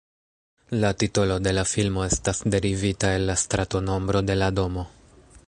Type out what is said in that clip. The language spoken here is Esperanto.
La titolo de la filmo estas derivita el la stratonombro de la domo.